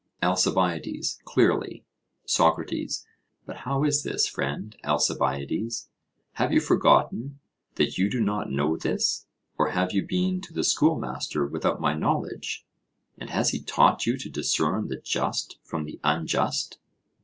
ALCIBIADES: Clearly. SOCRATES: But how is this, friend Alcibiades? Have you forgotten that you do not know this, or have you been to the schoolmaster without my knowledge, and has he taught you to discern the just from the unjust?